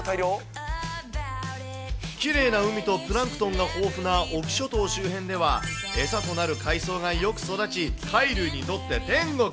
きれいな海とプランクトンが豊富な隠岐諸島周辺では、餌となる海草がよく育ち、貝類にとって天国。